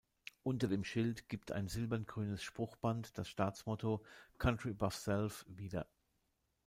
Unter dem Schild gibt ein silbern-grünes Spruchband das Staatsmotto "Country Above Self" wieder.